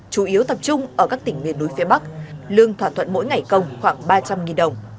chủ yếu tập trung ở các tỉnh miền núi phía bắc lương thỏa thuận mỗi ngày công khoảng ba trăm linh đồng